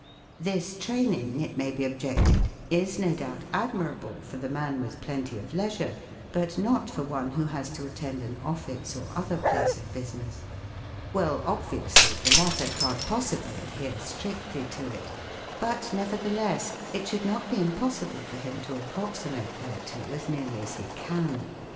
This training, it may be objected, is no doubt admirable for the man with plenty of leisure, but not for one who has to attend an office or other place of business. Well* obviously, the latter can't possibly adhere strictly to it; but, nevertheless, it should not be impossible for him to approximate thereto as nearly as he can.